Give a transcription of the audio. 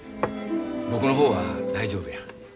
僕の方は大丈夫や。